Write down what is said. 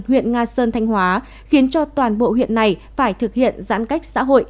huyện nga sơn thanh hóa khiến cho toàn bộ huyện này phải thực hiện giãn cách xã hội